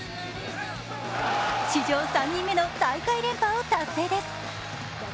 史上３人目の大会連覇を達成です。